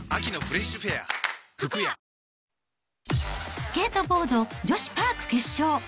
スケートボード女子パーク決勝。